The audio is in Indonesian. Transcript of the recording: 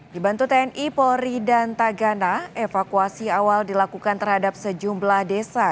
dibantu tni polri dan tagana evakuasi awal dilakukan terhadap sejumlah desa